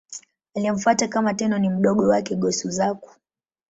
Aliyemfuata kama Tenno ni mdogo wake, Go-Suzaku.